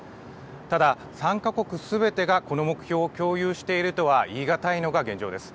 ただ、参加国すべてがこの目標を共有しているとは言い難いのが現状です。